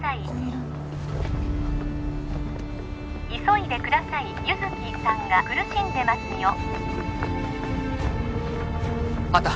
紺色の急いでください優月さんが苦しんでますよあった！